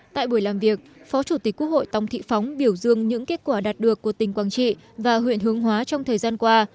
tại buổi làm việc phó chủ tịch quốc hội tòng thị phóng biểu dương những kết quả đạt được của tỉnh quảng trị và huyện hướng hóa trong thời gian qua